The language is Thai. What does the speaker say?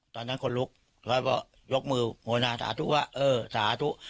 ตอนนั้นคนลุกแล้วก็ยกมือโมนาสาธุว่าเออสาธุ